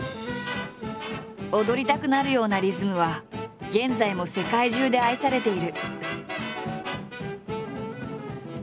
踊りたくなるようなリズムは現在も世界中で愛されている。